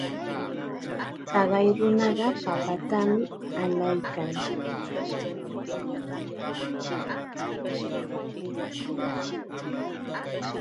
Taqay nunaqa papatam allaykan.